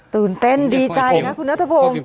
ตื่นเต้นดีใจนะคุณนัทพงศ์